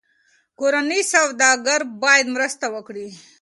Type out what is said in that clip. کورني سوداګر باید مرسته وکړي.